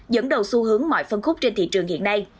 dẫn đầu xu hướng mọi phân khúc trên thị trường hiện nay